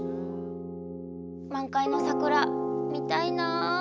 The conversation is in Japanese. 満開の桜見たいなあ。